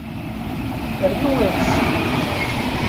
Rnu eḍṣ.